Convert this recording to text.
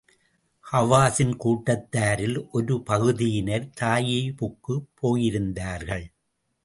ஹவாஸின் கூட்டத்தாரில் ஒரு பகுதியினர், தாயிபுக்குப் போயிருந்தார்கள்.